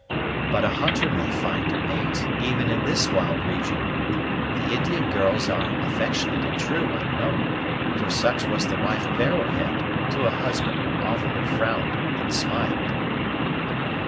"But a hunter may find a mate, even in this wild region. The Indian girls are affectionate and true, I know; for such was the wife of Arrowhead, to a husband who oftener frowned than smiled."